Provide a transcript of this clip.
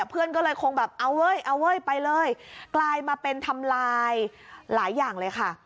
เพื่อนก็เลยคงแบบเอาเว้ยเอาเว้ยไปเลยกลายมาเป็นทำลายหลายอย่างเลยค่ะ